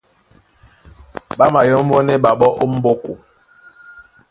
Ɓá mayɔ́mbɔ́nɛ́ ɓaɓɔ́ ó m̀ɓóko.